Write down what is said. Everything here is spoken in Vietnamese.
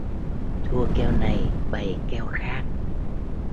Thua keo này bày keo khác